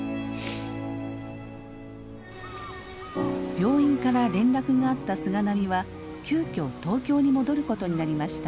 病院から連絡があった菅波は急きょ東京に戻ることになりました。